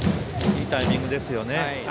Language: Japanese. いいタイミングですよね。